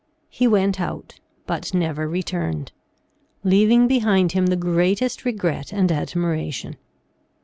He went out, but never returned, leaving behind him the greatest regret and admiration.